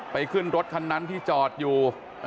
ขึ้นรถคันนั้นที่จอดอยู่